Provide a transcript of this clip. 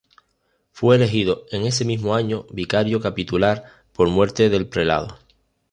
Fue elegido en ese mismo año vicario capitular por muerte del prelado.